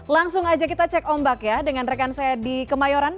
langsung aja kita cek ombak ya dengan rekan saya di kemayoran